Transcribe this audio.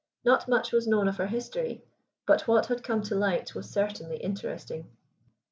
Not much was known of her history, but what had come to light was certainly interesting.